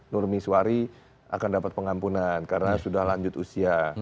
nurmiswari akan dapat pengampunan karena sudah lanjut usia